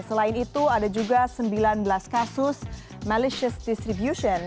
selain itu ada juga sembilan belas kasus malicious distribution